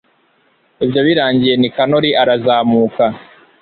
ibyo birangiye, nikanori arazamuka